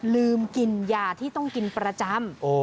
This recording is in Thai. ลืมกินยาที่ต้องกินประจำ